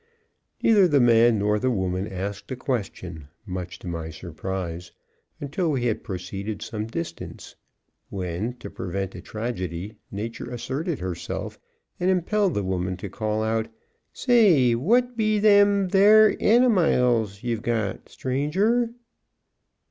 Neither the man nor the woman asked a question, much to my surprise, until we had proceeded some distance, when to prevent a tragedy, nature asserted herself and impelled the woman to call out: "Say, what be them thar animiles ye ve got, stranger?"